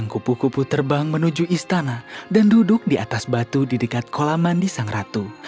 kupu kupu terbang menuju istana dan duduk di atas batu di dekat kolaman di sang ratu